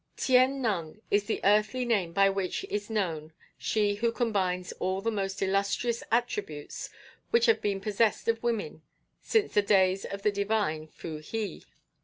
Tien Nung is the earthly name by which is known she who combines all the most illustrious attributes which have been possessed of women since the days of the divine Fou Hy.